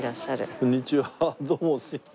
こんにちは。